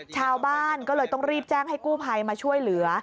ชาวบ้านก็เลยต้องรีบแจ้งให้กู้ภัยมาช่วยเหลือ